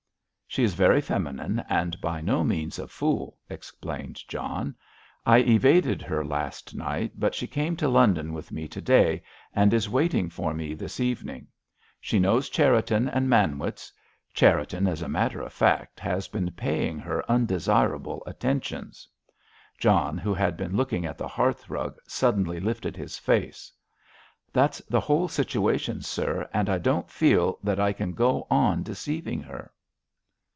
"She is very feminine, and by no means a fool," explained John. "I evaded her last night, but she came to London with me to day, and is waiting for me this evening. She knows Cherriton and Manwitz. Cherriton, as a matter of fact, has been paying her undesirable attentions." John, who had been looking at the hearth rug, suddenly lifted his face. "That's the whole situation, sir, and I don't feel that I can go on deceiving her."